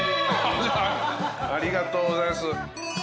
ありがとうございます。